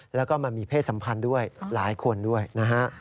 แล้วก็มามีเพศสัมพันธ์ด้วยหลายคนด้วยนะฮะ